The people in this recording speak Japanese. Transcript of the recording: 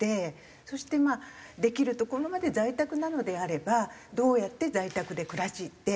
そしてまあできるところまで在宅なのであればどうやって在宅で暮らして。